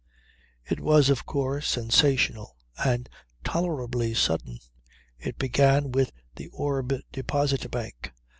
It was of course sensational and tolerably sudden. It began with the Orb Deposit Bank.